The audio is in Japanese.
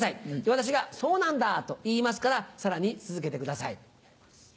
私が「そうなんだ」と言いますからさらに続けてください。